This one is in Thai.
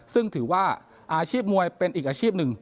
ซึ่งถือว่าอาชีพมวยเป็นอีกอาชีพหนึ่ง